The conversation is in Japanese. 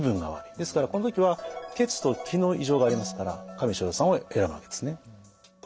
ですからこの時は血と気の異常がありますから加味逍遙散を選ぶわけですね。